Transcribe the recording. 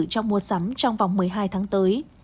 trong mua sắm trong vòng một mươi hai tháng tới